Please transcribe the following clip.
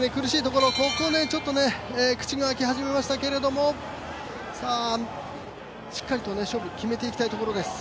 ここちょっと口が開き始めましたけどしっかりと勝負決めていきたいところです。